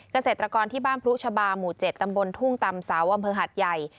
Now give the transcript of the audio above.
เกษตรกรที่บ้านพรุชบาหมู่๗ตำบลทุ่งตำเสาอำเภอหัดใหญ่